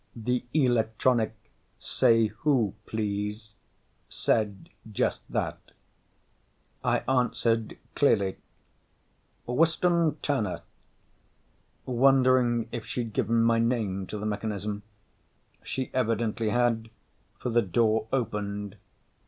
The electronic say who please said just that. I answered clearly, "Wysten Turner," wondering if she'd given my name to the mechanism. She evidently had, for the door opened.